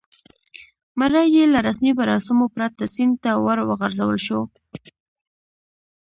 مړی یې له رسمي مراسمو پرته سیند ته ور وغورځول شو.